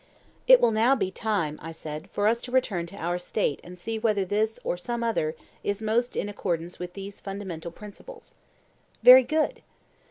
It will now be time, I said, for us to return to our State and see whether this or some other form is most in accordance with these fundamental principles. Very good.